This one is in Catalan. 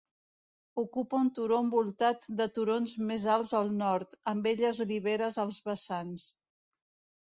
Ocupa un turó envoltat de turons més alts al nord, amb belles oliveres als vessants.